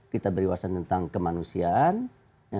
kita beri wawasan tentang kemanusiaan